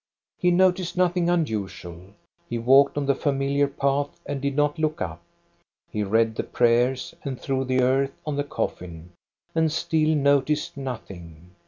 He noticed nothing unusual. He walked on the familiar path and did not look up. He read the prayers, and threw the earth on the coffin, and still noticed nothing.